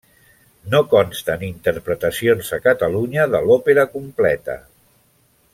No consten interpretacions a Catalunya de l'òpera completa.